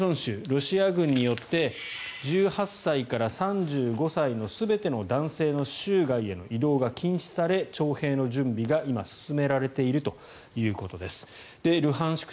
ロシア軍によって１８歳から３５歳の全ての男性の州外への移動が禁止され徴兵の準備が今進められているということです。